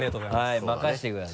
はい任せてください。